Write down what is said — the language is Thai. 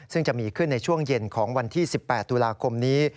ซึ่งจะมีขึ้นในช่วงเย็นของวันที่๑๘ตุลาคมนี้